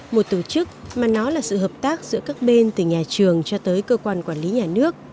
một tổ chức mà nó là sự hợp tác giữa các bên từ nhà trường cho tới cơ quan quản lý nhà nước